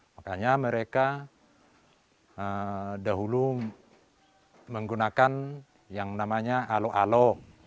makanya mereka dahulu menggunakan yang namanya alo alo